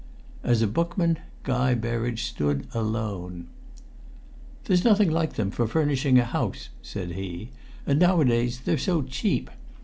As a bookman Guy Berridge stood alone. "There's nothing like them for furnishing a house," said he; "and nowadays they're so cheap.